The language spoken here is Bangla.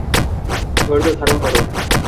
ধৈর্য্য ধারন করো।